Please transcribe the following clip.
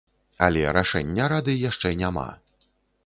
Але рашэння рады яшчэ няма.